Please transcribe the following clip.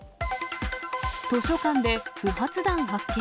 図書館で不発弾発見。